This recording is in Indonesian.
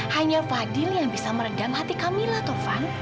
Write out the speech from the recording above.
hanya fadil yang bisa meredam hati kamilah toh van